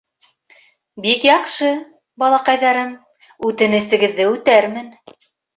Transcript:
Бик яҡшы, балаҡайҙарым; үтенесегеҙҙе үтәрмен.